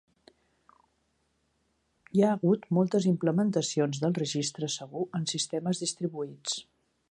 Hi ha hagut moltes implementacions del registre segur en sistemes distribuïts.